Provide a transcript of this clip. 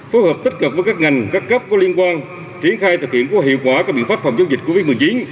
phối hợp tích cực với các ngành các cấp có liên quan triển khai thực hiện có hiệu quả các biện pháp phòng chống dịch covid một mươi chín